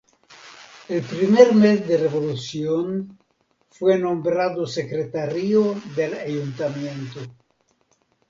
El primer mes de revolución fue nombrado secretario del ayuntamiento.